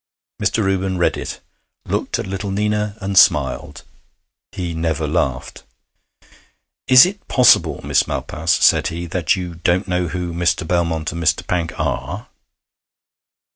Mr. Reuben read it, looked at little Nina, and smiled; he never laughed. 'Is it possible, Miss Malpas,' said he, 'that you don't know who Mr. Belmont and Mr. Pank are?'